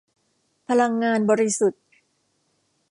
พลังงานบริสุทธิ์